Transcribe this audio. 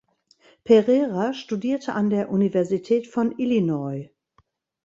Pereira studierte an der Universität von Illinois.